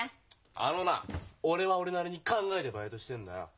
あのな俺は俺なりに考えてバイトしてんだよ！